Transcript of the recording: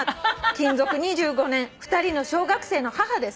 「勤続２５年２人の小学生の母です」